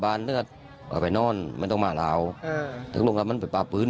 แต่เขามีปัญหากับลุงเสถียร